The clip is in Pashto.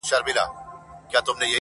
په څه سپک نظر به گوري زموږ پر لوري،